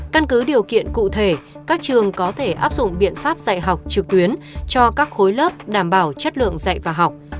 căn cứ điều kiện cụ thể các trường có thể áp dụng biện pháp dạy học trực tuyến cho các khối lớp đảm bảo chất lượng dạy và học